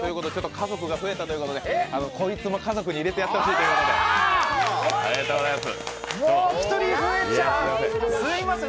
家族が増えたということで、こいつも家族に入れてやってほしいということで、おめでとうございます。